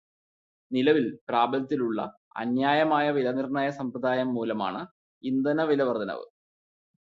നിലവിൽ പ്രാബല്യത്തിലുള്ള അന്യായമായ വിലനിർണയസമ്പ്രദായം മൂലമാണ് ഇന്ധനവിലവർദ്ധനവ്.